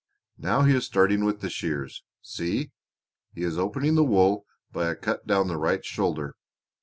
Now he is starting with the shears. See! He is opening the wool by a cut down the right shoulder.